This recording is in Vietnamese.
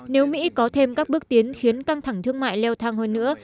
nếu mỹ có thêm các bước tiến khiến căng thẳng thương mại leo thang hơn nữa